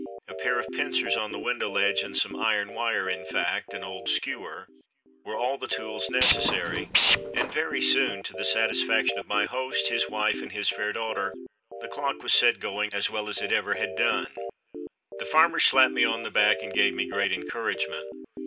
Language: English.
A pair of pincers on the window ledge and some iron wire, in fact, an old skewer, were all the tools necessary; and very soon, to the satisfaction of my host, his wife, and his fair daughter, the clock was set going as well as it ever had done. The farmer slapped me on the back and gave me great encouragement.